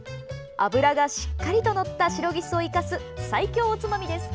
脂がしっかりとのったシロギスを生かす最強おつまみです。